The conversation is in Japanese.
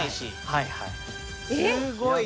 はいはい。